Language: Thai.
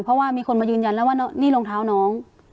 เพราะว่ามีคนมายืนยันแล้วว่านี่รองเท้าน้อง